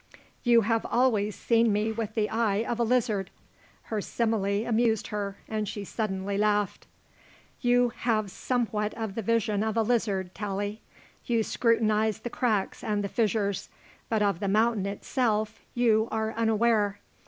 "You have always seen me with the eye of a lizard." Her simile amused her and she suddenly laughed. "You have somewhat the vision of a lizard, Tallie. You scrutinize the cracks and the fissures, but of the mountain itself you are unaware.